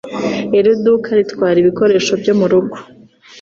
Iri duka ritwara ibikoresho byo murugo.